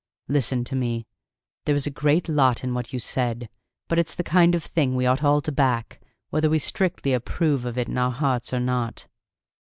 Listen to me. There was a great lot in what you said; but it's the kind of thing we ought all to back, whether we strictly approve of it in our hearts or not."